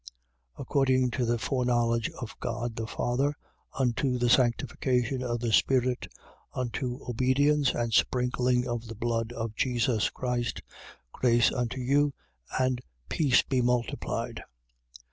According to the foreknowledge of God the Father, unto the sanctification of the Spirit, unto obedience and sprinkling of the blood of Jesus Christ. Grace unto you and peace be multiplied.